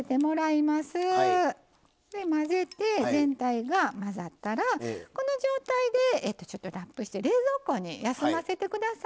混ぜて全体が混ざったらこの状態でちょっとラップして冷蔵庫に休ませて下さい。